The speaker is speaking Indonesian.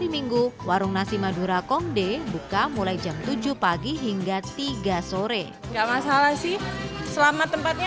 minggu warung nasi madura komde buka mulai jam tujuh pagi hingga tiga sore enggak masalah sih selama tempatnya